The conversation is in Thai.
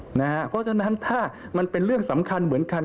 เพราะฉะนั้นถ้ามันเป็นเรื่องสำคัญเหมือนกัน